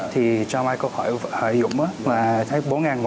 thì cho michael hỏi dũng là bốn ngàn một ngày là cái chi phí hợp lý không